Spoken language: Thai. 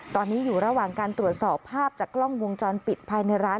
ตอนนี้อยู่ระหว่างการตรวจสอบภาพจากกล้องวงจรปิดภายในร้าน